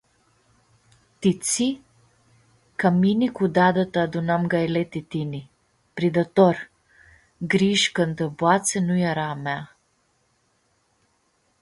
“Ti tsi?” “Ca mini cu dadã-ta adunãm gaile ti tini…” “Pridatori!” grii sh-canda boatsea nu eara a amea.